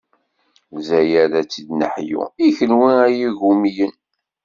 Lezzayer ad tt-id-neḥyu, i kunwi ay igumiyen.